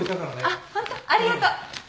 あっホントありがとう。